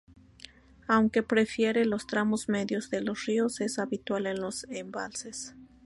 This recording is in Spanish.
Aunque prefiere los tramos medios de los ríos, es habitual en los embalses.